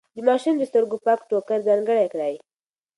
د ماشوم د سترګو پاک ټوکر ځانګړی کړئ.